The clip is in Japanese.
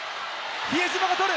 比江島が取る！